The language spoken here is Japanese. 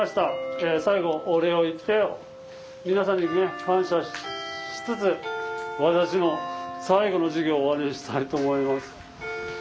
最後お礼を言って皆さんに感謝しつつ私の最後の授業を終わりにしたいと思います。